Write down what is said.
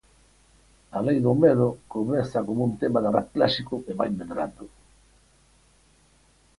"A lei do medo" comeza como un tema de rap clásico e vai medrando.